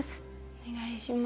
お願いします。